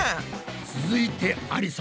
続いてありさ。